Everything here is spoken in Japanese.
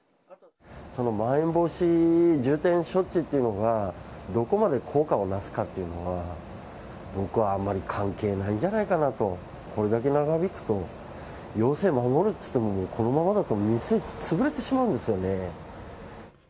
まん延防止重点措置っていうのが、どこまで効果がなすかっていうのは、僕はあまり関係ないんじゃないかなと、これだけ長引くと、要請守るっていってももうこのままだと店潰れてしまうんですよね。